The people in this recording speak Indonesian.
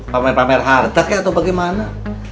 pamer pamer harta kayak atau bagaimana